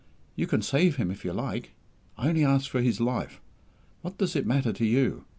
You can save him if you like. I only ask for his life. What does it matter to you?